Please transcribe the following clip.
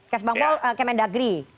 ks bantol kemen dagri